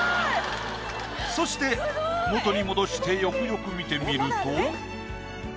そして元に戻してよくよく見てみると。